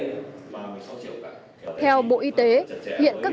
theo bộ y tế hiện các bệnh nhân có thể được xét nghiệm